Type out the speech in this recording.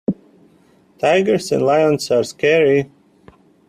Tigers and lions are scary.